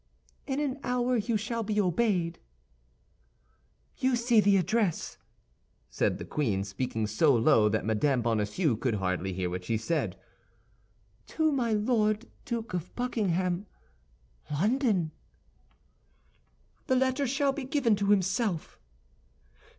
"In an hour you shall be obeyed." "You see the address," said the queen, speaking so low that Mme. Bonacieux could hardly hear what she said, "To my Lord Duke of Buckingham, London." "The letter shall be given to himself."